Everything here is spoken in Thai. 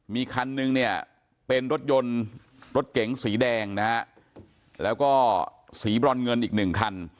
มีคันนึงเนี่ยเป็นรถยนต์รถเก๋งสีแดงนะฮะแล้วก็สีบรอนเงินอีกหนึ่งคัน